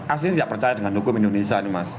asli tidak percaya dengan hukum indonesia ini mas